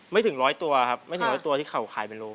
ไม่ถึงร้อยตัวครับไม่ถึงร้อยตัวที่เข่าขายเป็นโรง